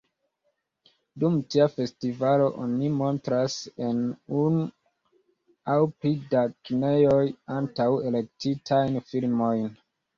Dum tia festivalo, oni montras en unu aŭ pli da kinejoj antaŭ-elektitajn filmojn.